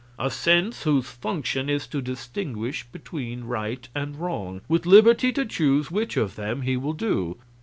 A sense whose function is to distinguish between right and wrong, with liberty to choose which of them he will do.